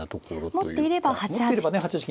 持っていれば８八金。